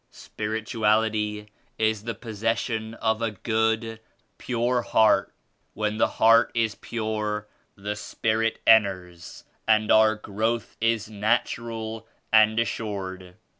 17 "Spirituality is the possession of a good, pure heart. When the heart is pure the Spirit enters and our growth is natural and assured.